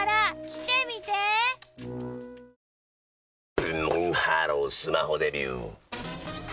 ブンブンハロースマホデビュー！